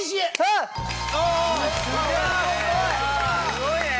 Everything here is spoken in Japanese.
すごいね！